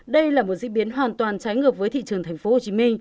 đây là một diễn biến hoàn toàn trái ngược với thị trường tp hcm